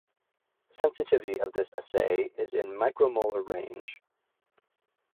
Sensitivity of this assay is in micromolar range.